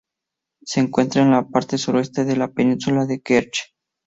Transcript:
Se encuentra en la parte suroeste de la península de Kerch.